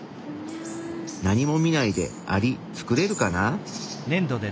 何も見ないでアリ作れるかな？